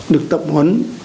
được tập huấn